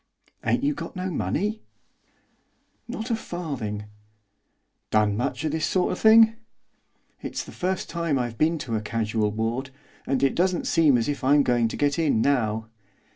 'Ain't you got no money?' 'Not a farthing.' 'Done much of this sort of thing?' 'It's the first time I've been to a casual ward, and it doesn't seem as if I'm going to get in now.